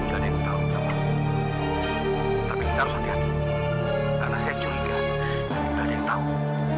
karena saya curiga gak ada yang tahu